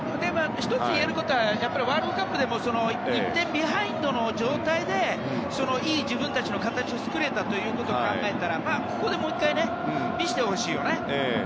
１ついえることはやっぱりワールドカップでも１点ビハインドの状態でいい自分たちの形を作れたことを考えるとここでもう１回見せてほしいよね。